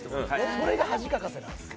それが恥かかせなんですよ。